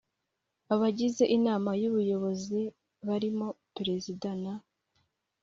Abagize Inama y Ubuyobozi barimo Perezida na